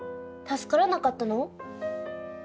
助からなかったの？